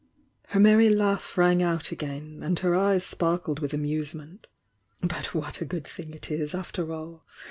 '" Her merry laugh rang out again, and her eyes sparkled with amusement. "But what a good thing it is, after all!